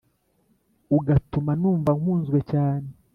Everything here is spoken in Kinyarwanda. ugatuma numva nkunzwe cyane